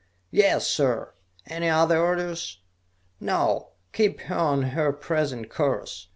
"Yes, sir! Any other orders?" "No. Keep her on her present course.